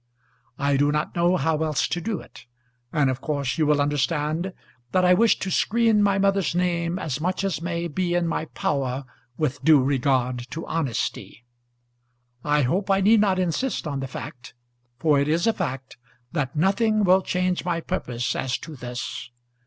I do not know how else to do it; and of course you will understand that I wish to screen my mother's name as much as may be in my power with due regard to honesty. I hope I need not insist on the fact, for it is a fact, that nothing will change my purpose as to this.